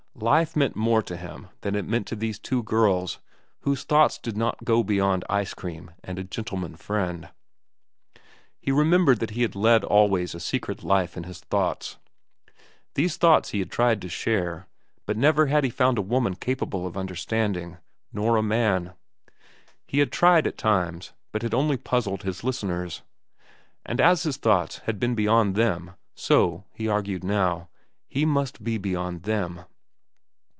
Life meant more to him than it meant to these two girls whose thoughts did not go beyond ice cream and a gentleman friend. He remembered that he had led always a secret life in his thoughts. These thoughts he had tried to share, but never had he found a woman capable of understanding—nor a man. He had tried, at times, but had only puzzled his listeners. And as his thoughts had been beyond them, so, he argued now, he must be beyond them.